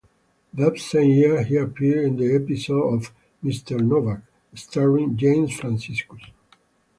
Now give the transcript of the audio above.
That same year he appeared in an episode of "Mr. Novak", starring James Franciscus.